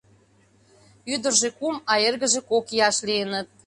Ӱдыржӧ кум, а эргыже кок ияш лийыныт.